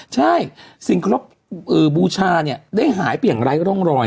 ใช่สิ่งครบบูชาเนี่ยได้หายไปอย่างไร้ร่องรอย